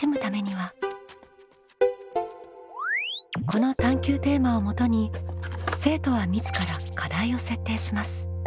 この探究テーマをもとに生徒は自ら課題を設定します。